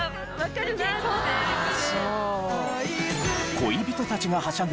恋人たちがはしゃぐ